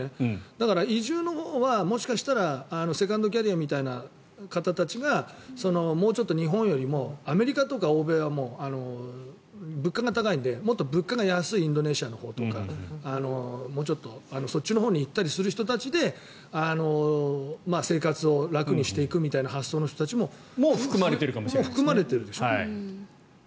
だから、移住のほうはもしかしたらセカンドキャリアみたいな方たちがもうちょっと日本よりもアメリカとか欧米は物価が高いのでもっと物価が安いインドネシアのほうとかそっちのほうに行く人の話で生活を楽にしていくみたいな発想の人たちも。含まれているでしょ。